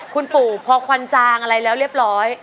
คุณปู่พอควันจางอะไรแล้วเรียบร้อย